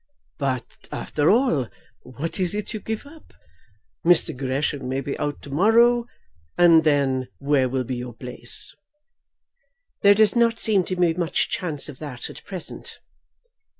"But, after all, what is it you give up? Mr. Gresham may be out to morrow, and then where will be your place?" "There does not seem to be much chance of that at present."